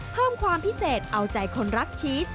เพิ่มความพิเศษเอาใจคนรักชีส